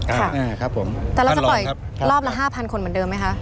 ครับผมแต่เราจะปล่อยรอบละห้าพันคนเหมือนเดิมไหมคะ